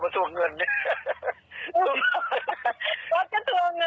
รู้สึกอันเมื่อวานมันหกหมื่นอันหกพัน